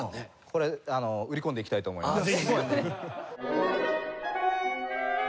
これ売り込んでいきたいと思います。